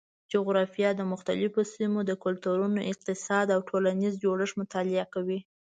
جغرافیه د مختلفو سیمو د کلتورونو، اقتصاد او ټولنیز جوړښت مطالعه کوي.